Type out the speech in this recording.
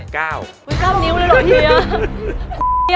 ๙นิ้วเลยเหรอเฮีย